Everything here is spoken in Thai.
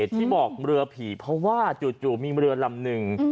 ที่บอกเรือผีเพราะว่าจู่มีเรือลำหนึ่ง